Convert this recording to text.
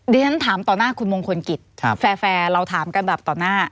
เรียนถามต่อหน้าคุณมงคลกิจแฟร์เราถามกันแบบต่อหน้า